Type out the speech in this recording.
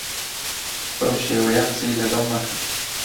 بەو شێوەیە قسەی لەگەڵ مەکە.